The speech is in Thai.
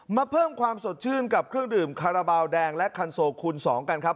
มาเพิ่มความสดชื่นกับเครื่องดื่มคาราบาลแดงและคันโซคูณ๒กันครับ